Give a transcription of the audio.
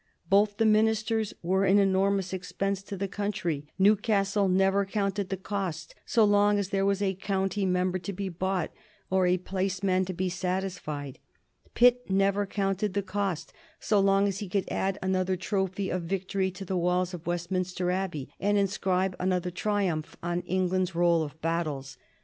Both the ministers were an enormous expense to the country. Newcastle never counted the cost so long as there was a county member to be bought or a placeman to be satisfied. Pitt never counted the cost so long as he could add another trophy of victory to the walls of Westminster Abbey and inscribe another triumph on England's roll of battles.